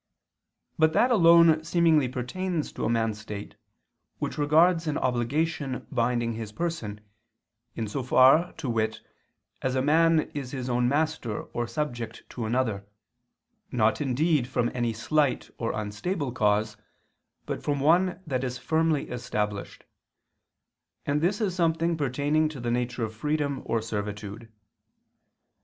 But that alone seemingly pertains to a man's state, which regards an obligation binding his person, in so far, to wit, as a man is his own master or subject to another, not indeed from any slight or unstable cause, but from one that is firmly established; and this is something pertaining to the nature of freedom or servitude.